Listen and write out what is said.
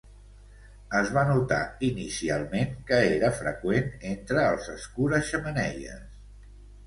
Es va notar inicialment que era freqüent entre els escura-xemeneies.